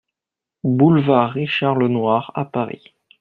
Boulevard Richard Lenoir à Paris